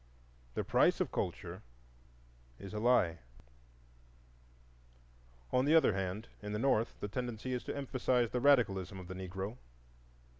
The price of culture is a Lie. On the other hand, in the North the tendency is to emphasize the radicalism of the Negro.